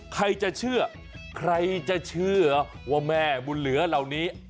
ใครจะเชื่อใครจะเชื่อว่าแม่บุญเหลือเหล่านี้